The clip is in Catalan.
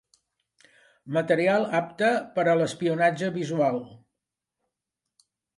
Material apte per a l'espionatge visual.